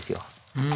うん。